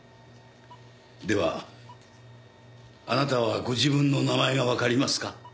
ではあなたはご自分の名前がわかりますか？